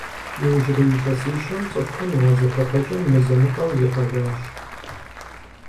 Иужьрей илъэсищэм цӏыхухэм я зыхуэпэкӏэм мызэ-мытӏэу зихъуэжащ.